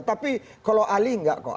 tapi kalau ali nggak kok